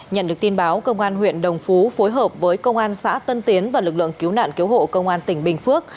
nhận được tin báo công an huyện đồng phú phối hợp với công an xã tân tiến và lực lượng cứu nạn cứu hộ công an tỉnh bình phước